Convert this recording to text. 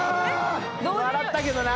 笑ったけどな。